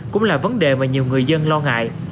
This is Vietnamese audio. cũng là vấn đề mà nhiều người dân lo ngại